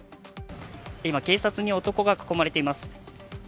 今、警察に男が囲まれています。